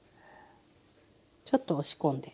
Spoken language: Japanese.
ちょっと押し込んで。